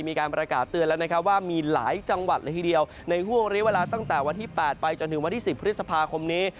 มีการประกาศเตือนแล้วนะครับว่ามีหลายจังหวัดละทีเดียวในห่วงเรียกเวลาตั้งแต่วันที่๘ไปจนถึงวันที่๑๐พฤษภาคมนี้